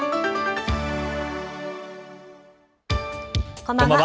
こんばんは。